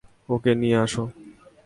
ওকে নিয়ে আসো।